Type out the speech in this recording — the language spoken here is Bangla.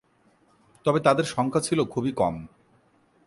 তবে তাদের সংখ্যা ছিল খুবই কম।